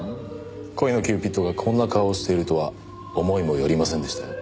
恋のキューピッドがこんな顔をしているとは思いもよりませんでしたよ。